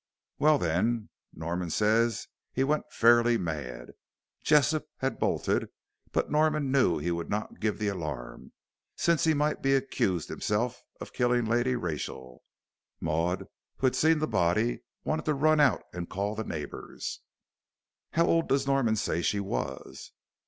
"Well, then, Norman says he went fairly mad. Jessop had bolted, but Norman knew he would not give the alarm, since he might be accused himself of killing Lady Rachel. Maud, who had seen the body, wanted to run out and call the neighbors." "How old does Norman say she was?"